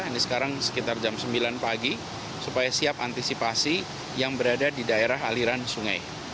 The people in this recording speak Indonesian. dan sekarang sekitar jam sembilan pagi supaya siap antisipasi yang berada di daerah aliran sungai